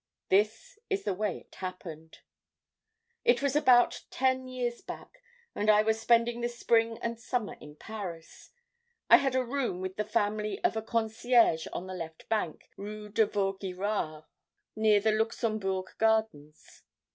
"This was the way it happened: "It was about ten years back, and I was spending the spring and summer in Paris. I had a room with the family of a concierge on the left bank, rue de Vaugirard, near the Luxembourg Gardens.